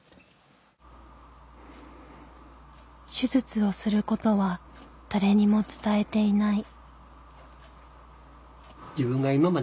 手術をすることは誰にも伝えていない。